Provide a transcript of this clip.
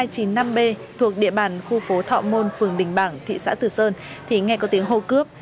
trên địa bàn khu phố thọ môn phường đình bảng thị xã tử sơn thì nghe có tiếng hô cướp